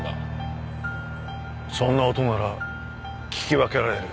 そんな音なら聞き分けられる。